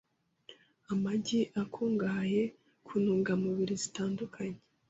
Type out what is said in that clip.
Amagi akungahaye ku ntungamubiri zitandukanye